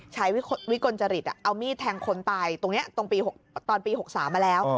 ใช้วิกลจริตนะเอามีดแทงคนตายตรงปี๖๓มาแล้ว